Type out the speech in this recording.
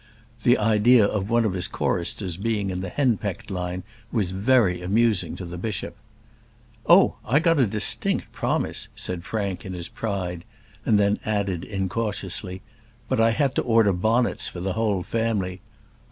The idea of one of his choristers being in the henpecked line was very amusing to the bishop. "Oh, I got a distinct promise," said Frank, in his pride; and then added incautiously, "but I had to order bonnets for the whole family."